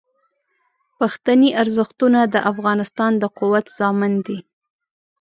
پښتني ارزښتونه د افغانستان د قوت ضامن دي.